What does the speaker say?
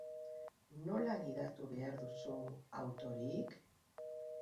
Nola gidatu behar duzu autorik?